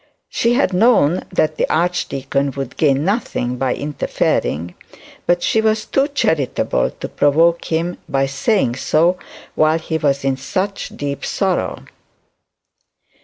She had known that the archdeacon would gain nothing be interfering; but she was too charitable to provoke him by saying so while he was in such deep sorrow.